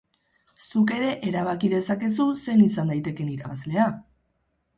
Zuk ere erabaki dezakezu zein izan daitekeen irabazlea!